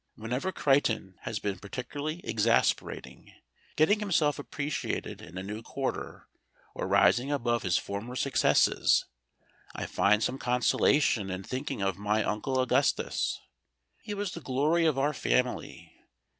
Whenever Crichton has been particularly exasperating, getting himself appreciated in a new quarter, or rising above his former successes, I find some consolation in thinking of my Uncle Augustus. He was the glory of our family.